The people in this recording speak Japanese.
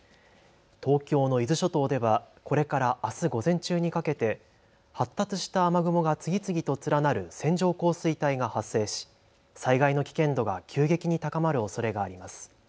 東京の伊豆諸島ではこれからあす午前中にかけて発達した雨雲が次々と連なる線状降水帯が発生し災害の危険度が急激に高まるおそれがあります。